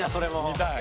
見たい。